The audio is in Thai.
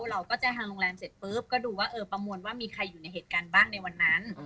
เราก็แจ้งทางโรงแรมเสร็จปุ๊บก็ดูว่าเออประมวลว่ามีใครอยู่ในเหตุการณ์บ้างในวันนั้น